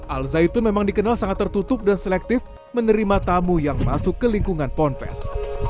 al zaitun memang dikenal sangat tertutup dan selektif menerima tamu yang masuk ke lingkungan ponpes